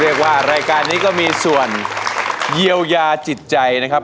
เรียกว่ารายการนี้ก็มีส่วนเยียวยาจิตใจนะครับ